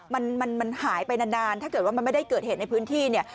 มันมันหายไปนานถ้าเกิดว่ามันไม่ได้เกิดเหตุในพื้นที่เนี่ย